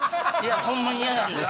ホンマに嫌なんです。